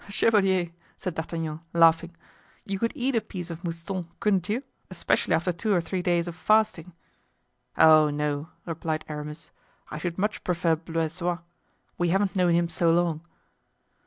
"Chevalier," said D'Artagnan, laughing, "you could eat a piece of Mouston, couldn't you, especially after two or three days of fasting?" "Oh, no," replied Aramis, "I should much prefer Blaisois; we haven't known him so long."